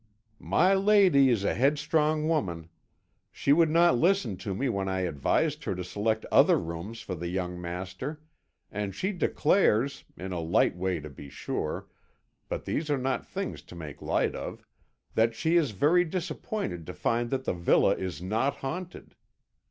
"My lady is a headstrong woman; she would not listen to me when I advised her to select other rooms for the young master, and she declares in a light way to be sure, but these are not things to make light of that she is very disappointed to find that the villa is not haunted.